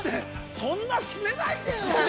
そんな、すねないでよ。